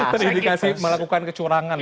terindikasi melakukan kecurangan